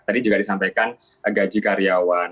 tadi juga disampaikan gaji karyawan